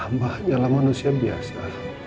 amba hanyalah manusia biasa